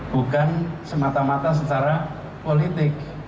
bukan semata mata secara politik